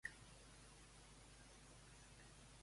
L'ús de la pedra calitja és destacat en alguns enclavaments.